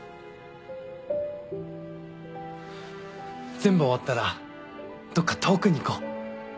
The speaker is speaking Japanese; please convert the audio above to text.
全部終わったらどっか遠くに行こう。